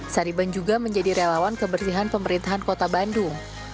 sariban juga menjadi relawan kebersihan pemerintahan kota bandung